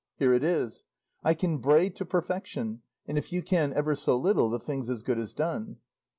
Here it is. I can bray to perfection, and if you can ever so little, the thing's as good as done.